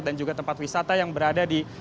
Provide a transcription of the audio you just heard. dan juga tempat wisata yang berada di